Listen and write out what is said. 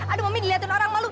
aduh mami dilihatin orang malu